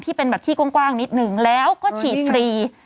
ที่เป็นแบบที่กว้างนิดหนึ่งแล้วก็ฉีดฟรี